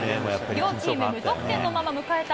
両チーム無得点のまま迎えた